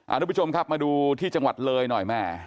ทุกผู้ชมครับมาดูที่จังหวัดเลยหน่อยแม่